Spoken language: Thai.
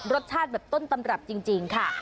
รสชาติแบบต้นตำรับจริงค่ะ